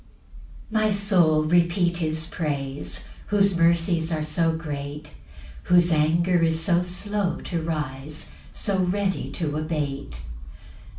1 My soul, repeat his praise Whose mercies are so great, Whose anger is so slow to rise, So ready to abate.